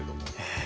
ええ。